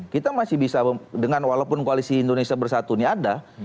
kita masih bisa dengan walaupun koalisi indonesia bersatu ini ada